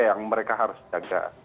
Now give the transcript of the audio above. yang mereka harus jaga